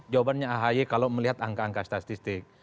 jawabannya ahy kalau melihat angka angka statistik